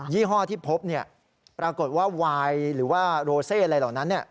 ี่ห้อที่พบปรากฏว่าวายหรือว่าโรเซอะไรเหล่านั้น